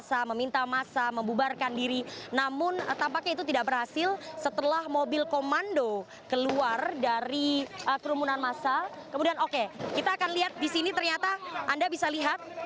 situasi sangat dinamis sepanjang hari ini di wilayah slipik